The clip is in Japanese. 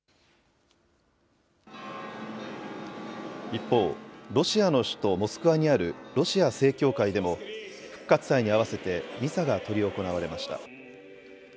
一方、ロシアの首都モスクワにあるロシア正教会でも復活祭に合わせて、ミサが執り行われました。